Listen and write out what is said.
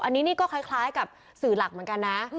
อันนี้ก็คล้ายกับสิวิชมันเหมือนกันนะ